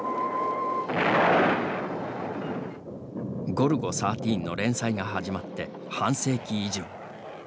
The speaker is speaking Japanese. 「ゴルゴ１３」の連載が始まって半世紀以上。